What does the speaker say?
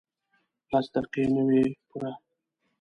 لس دقیقې نه وې پوره.